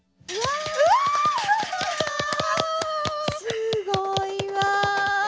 すごいわ。